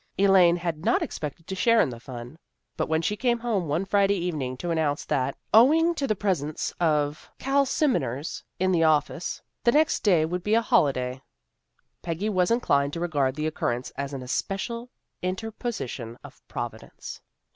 Elaine had not expected to share in the fun. But when she came home one Friday evening AN EVENTFUL PICNIC 317 to announce that, owing to the presence of calsiminers in the office, the next day would be a holiday, Peggy was inclined to regard the occurrence as an especial interposition of Provi dence.